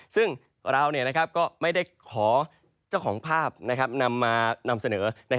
ซึ่งเราก็ไม่ได้ขอเจ้าของภาพนำมานำเสนอ